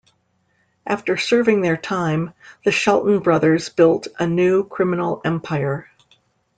After serving their time, the Shelton brothers built a new criminal empire.